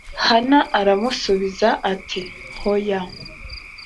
hana aramusubiza ati oya